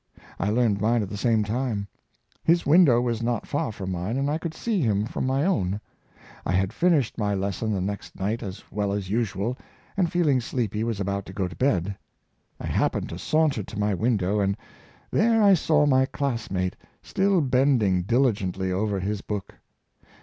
I learned mine at the same time. His window was not far from mine, and I could see him from my own. I had finished my lesson the next night as well as usual, and, feeling sleepy, was about to go to bed. I happened to saunter to my window, and there I saw my classmate still bending diligently over his book.